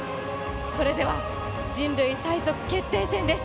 それでは、人類最速決定戦です。